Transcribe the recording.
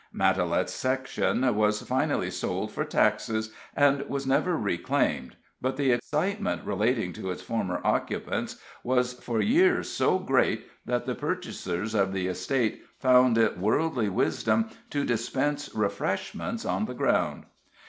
Matalette's section was finally sold for taxes, and was never reclaimed, but the excitement relating to its former occupants was for years so great that the purchasers of the estate found it worldly wisdom to dispense refreshments on the ground.